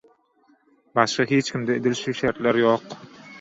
Başga hiçkimde edil şu şertler ýok.